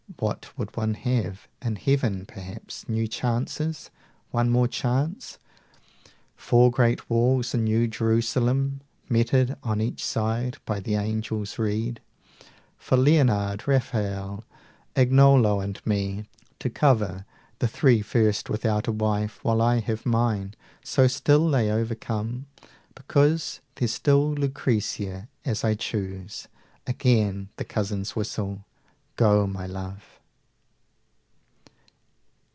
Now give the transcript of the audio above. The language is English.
What would one have? In heaven, perhaps, new chances, one more chance 260 Four great walls in the New Jerusalem, Meted on each side by the angel's reed, For Leonard, Rafael, Agnolo, and me To cover the three first without a wife, While I have mine! So still they overcome 265 Because there's still Lucrezia as I choose. Again the Cousin's whistle! Go, my Love.